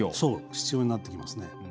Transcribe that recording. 必要になってきますね。